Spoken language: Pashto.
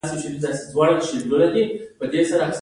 هاورکرافت هر لوري ته حرکت کولی شي.